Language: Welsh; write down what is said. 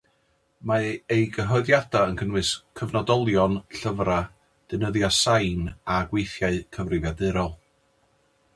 Mae ei gyhoeddiadau yn cynnwys cyfnodolion, llyfrau, deunyddiau sain a gweithiau cyfrifiadurol.